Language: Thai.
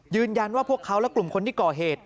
ยืนยันว่าพวกเขาและกลุ่มคนที่ก่อเหตุ